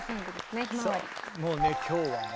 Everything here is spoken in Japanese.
もうね今日はね